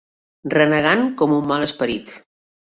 Renegant com un mal esperit.